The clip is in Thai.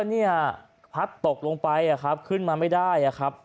เออเนี่ยพัดตกลงไปขึ้นมาไม่ได้